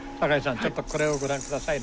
ちょっとこれをご覧くださいな。